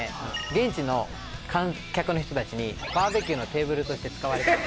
現地の観客の人たちにバーベキューのテーブルとして使われてた。